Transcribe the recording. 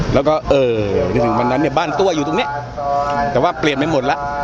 แล้วก็เออจนถึงวันนั้นเนี่ยบ้านตัวอยู่ตรงนี้แต่ว่าเปลี่ยนไปหมดแล้ว